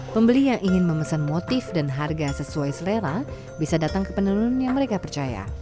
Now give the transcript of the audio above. pembeli yang ingin memesan motif dan harga sesuai selera bisa datang ke penelun yang mereka percaya